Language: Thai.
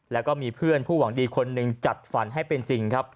และมีเพื่อนผู้หวังดีที่หนึ่งหนุนจัดฝันให้เป็นจริง